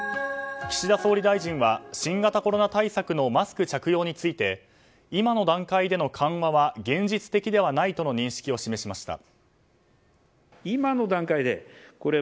岸田総理大臣は新型コロナ対策のマスク着用について今の段階での緩和は現実的ではないとの認識を示しました。